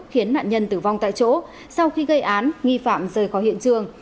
khiến nạn nhân tử vong tại chỗ sau khi gây án nghi phạm rời khỏi hiện trường